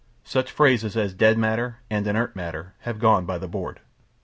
Such phrases as "dead" matter and "inert" matter have gone by the board.